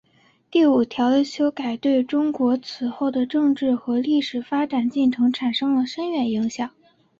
第五条的修改对中国此后的政治和历史发展进程产生了深远影响。